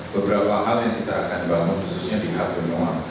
beberapa hal yang kita akan bangun khususnya di hapunua